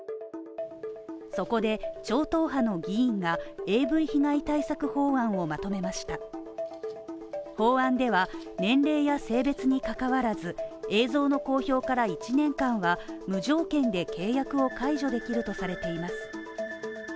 そこで、超党派の議員がＡＶ被害対策法案をまとめました法案では、年齢や性別に関わらず、映像の公表から１年間は無条件で契約を解除できるとされています。